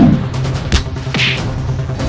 longgit sih aku